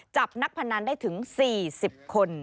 จับนักพนันได้ถึง๔๐คน